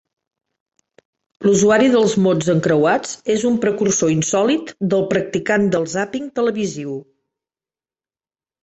L'usuari dels mots encreuats és un precursor insòlit del practicant del zàping televisiu.